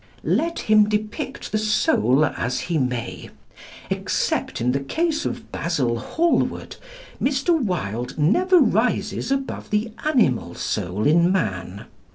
Let him depict the soul as he may, except in the case of Basil Hallward, Mr. Wilde never rises above the animal soul in man.